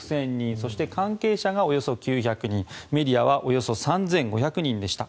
そして関係者がおよそ９００人メディアはおよそ３５００人でした。